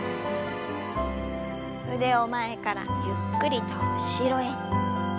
腕を前からゆっくりと後ろへ。